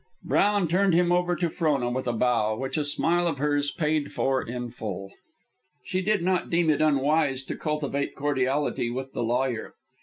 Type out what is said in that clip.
Brown turned him over to Frona with a bow, which a smile of hers paid for in full. She did not deem it unwise to cultivate cordiality with the lawyer.